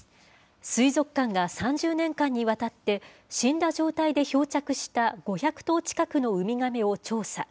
水族館が３０年間にわたって、死んだ状態で漂着した５００頭近くのウミガメを調査。